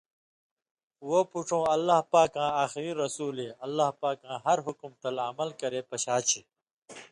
وہ پُڇُو اللہ پاکاں آخری رسولے اللہ پاکاں ہر حکم تل عمل کرے پشاچے۔